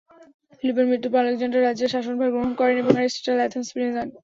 ফিলিপের মৃত্যুর পর আলেকজান্ডার রাজ্যের শাসনভার গ্রহণ করেন এবং অ্যারিস্টটল এথেন্স ফিরে যান।